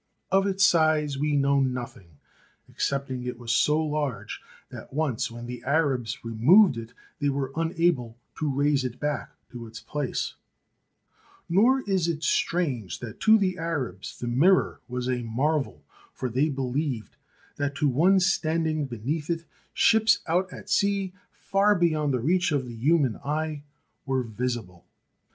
Of its size we know nothing excepting it was so large that once when the Arabs removed it they were unable to raise it back to its place. i8o THE SEVEN WONDERS Nor is it strange that to the Arabs the mirror was a marvel, for they believed that to one stand ing beneath it, ships out at sea, far beyond the reach of the human eye, were visible.